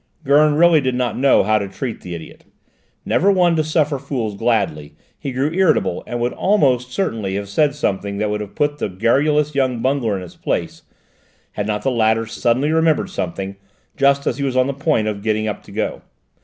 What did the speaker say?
Gurn really did not know how to treat the idiot. Never one to suffer fools gladly, he grew irritable and would almost certainly have said something that would have put the garrulous young bungler in his place, had not the latter suddenly remembered something, just as he was on the point of getting up to go.